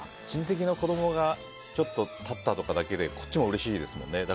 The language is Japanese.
親戚の子供がちょっと立ったとかだけでこっちもうれしいですもんね。